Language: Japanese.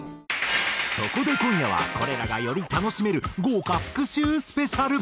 そこで今夜はこれらがより楽しめる豪華復習スペシャル。